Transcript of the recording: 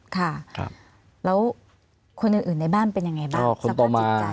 ค่ะแล้วคนอื่นในบ้านเป็นยังไงบ้าง